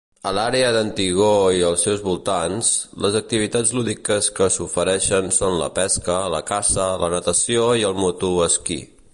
A l'àrea d'Antigo i els seus voltants, les activitats lúdiques que s'ofereixen són la pesca, la caça, la natació i el motoesquí.